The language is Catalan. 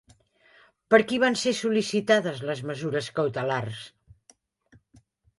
Per qui van ser sol·licitades les mesures cautelars?